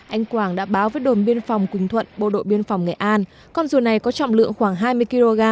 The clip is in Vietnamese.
anh quảng đã báo với đồn biên phòng quỳnh thuận bộ đội biên phòng nghệ an con rùa này có trọng lượng khoảng hai mươi kg